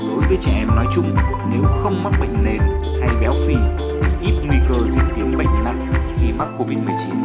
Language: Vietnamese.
đối với trẻ em nói chung nếu không mắc bệnh nền hay béo phì thì ít nguy cơ diễn biến nặng khi mắc covid một mươi chín